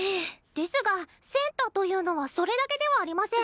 ですがセンターというのはそれだけではありません。